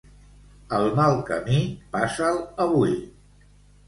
El mal camí passa'l avui.